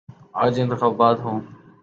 آج انتخابات ہوں۔